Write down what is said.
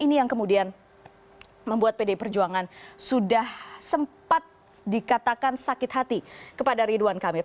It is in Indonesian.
ini yang kemudian membuat pdi perjuangan sudah sempat dikatakan sakit hati kepada ridwan kamil